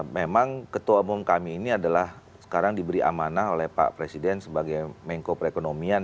memang ketua umum kami ini adalah sekarang diberi amanah oleh pak presiden sebagai mengko perekonomian